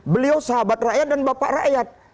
beliau sahabat rakyat dan bapak rakyat